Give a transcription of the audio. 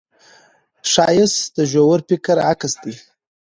ښایست د ژور فکر عکس دی